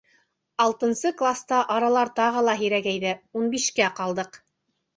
Алтынсы класта аралар тағы ла һирәгәйҙе, ун бишкә ҡалдыҡ.